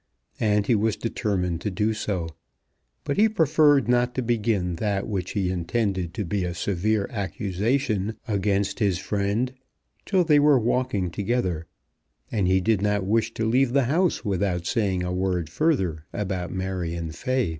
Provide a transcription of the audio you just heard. And he was determined to do so. But he preferred not to begin that which he intended to be a severe accusation against his friend till they were walking together, and he did not wish to leave the house without saying a word further about Marion Fay.